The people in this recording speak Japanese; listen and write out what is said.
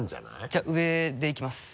じゃあ上でいきます。